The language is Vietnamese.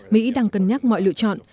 mỹ đang cân nhắc mọi lựa chọn